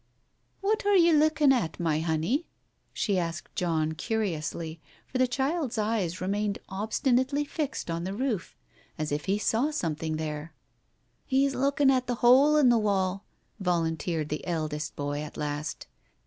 ..."" What are ye looking at, my honey ?" she asked John curiously, for the child's eyes remained obstinately fixed on the roof, as if he saw something there. "He's looking at the hole in the wall," volunteered the eldest boy at last.